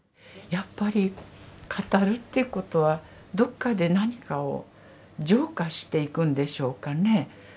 やっぱり語るっていうことはどっかで何かを浄化していくんでしょうかね。